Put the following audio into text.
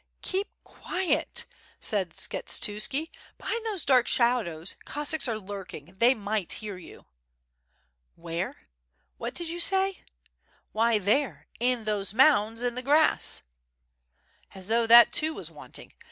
"Keep quiet," said Skshetuski, ^^hind those dark shadows Cossacks are lurking, they might hear you." "Where? what did you say?" "Why there, in those mounds in the grass." "As though that too was wanting.